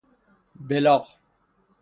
بلاغ